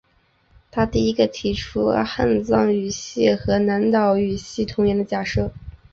他第一个提出汉藏语系和南岛语系同源的假设。